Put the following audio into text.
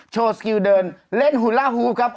โชว์สกิลเดินเล่นฮูล่าฮูฟครับ